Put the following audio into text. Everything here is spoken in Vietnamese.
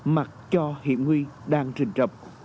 mặc cho hiểm nguy đang rình rập